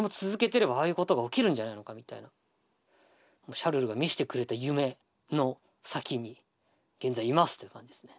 「シャルル」が見せてくれた夢の先に現在いますという感じですね。